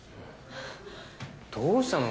どうしたの？